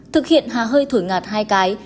thực hiện hà hơi thổi ngạt hai cái